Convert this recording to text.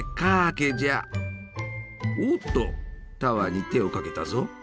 おおっとタワーに手をかけたぞ！